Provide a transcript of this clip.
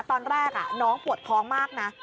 ตอนแรกน้องปวดท้องมากนะ